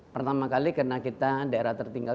pertama kali karena kita daerah tertinggal